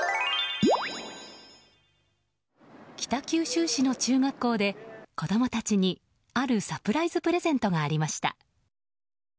北九州市の中学校で子供たちにあるサプライズプレゼントがありました。